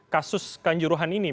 kasus kehanjuruhan ini